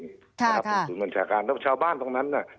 ถึงศูนย์บัญชาการแล้วชาวบ้านตรงนั้นน่ะ